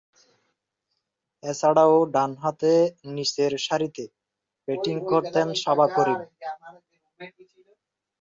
এছাড়াও, ডানহাতে নিচেরসারিতে ব্যাটিং করতেন সাবা করিম।